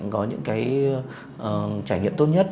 có những cái trải nghiệm tốt nhất